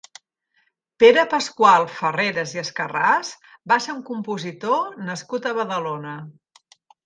Pere Pasqual Ferreras i Escarràs va ser un compositor nascut a Badalona.